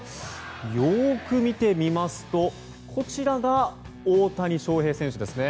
よく見てみますとこちらが大谷翔平選手ですね。